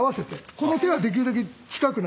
この手はできるだけ近くに。